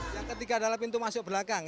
yang ketiga adalah pintu masuk belakang